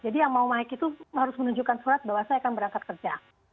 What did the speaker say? jadi yang mau naik itu harus menunjukkan surat bahwa saya akan berangkat kerja